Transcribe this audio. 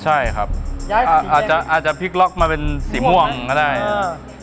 ใช่ครับอาจจะอาจจะพลิกล็อกมาเป็นสีม่วงก็ได้อ่า